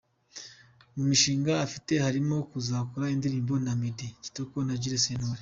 Mu mishinga afite harimo kuzakorana indirimbo na Meddy, Kitoko na Jules Sentore.